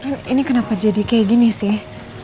kan ini kenapa jadi kayak gini sih